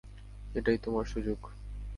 এটাই তোমার সুযোগ।